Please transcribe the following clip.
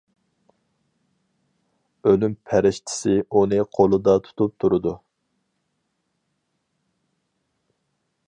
ئۆلۈم پەرىشتىسى ئۇنى قولىدا تۇتۇپ تۇرىدۇ.